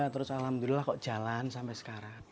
terus alhamdulillah kok jalan sampai sekarang